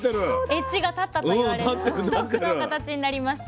エッジが立ったと言われる独特の形になりました。